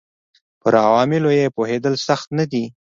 پر عواملو یې پوهېدل سخت نه دي